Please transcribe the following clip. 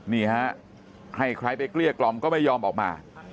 นี่ฮะให้ใครไปเกลี้ยกล่อมก็ไม่ยอมออกมา